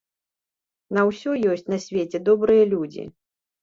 На ўсё ёсць на свеце добрыя людзі!